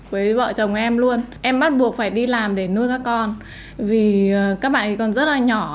với vợ chồng em luôn em bắt buộc phải đi làm để nuôi các con vì các bạn còn rất là nhỏ